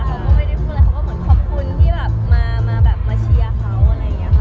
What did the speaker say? เขาก็เหมือนขอบคุณที่มาแบบเชียร์เขา